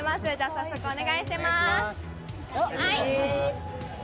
早速、お願いします。